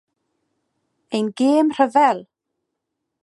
Ein Gêm Rhyfel!